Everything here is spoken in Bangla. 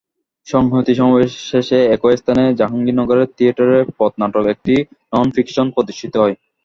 সংহতি সমাবেশ শেষে একই স্থানে জাহাঙ্গীরনগর থিয়েটারের পথনাটক একটি ননফিকশন প্রদর্শিত হয়।